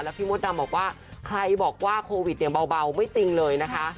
พี่มดดำบอกว่าใครบอกว่าโควิดเนี่ยเบาไม่ติ้งเลยนะคะ